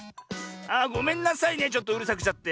あごめんなさいねちょっとうるさくしちゃって。